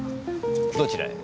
どちらへ？